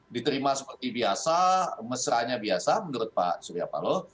diterima seperti biasa mesranya biasa menurut pak surya paloh